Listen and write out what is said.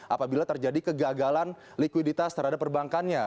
apabila terjadi kegagalan likuiditas terhadap perbankannya